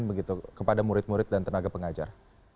begitu kepada murid murid dan tenaga pengajar